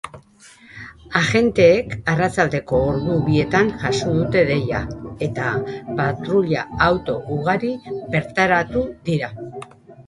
Agenteek arratsaldeko ordu bietan jaso dute deia, eta patruila-auto ugari bertaratu dira.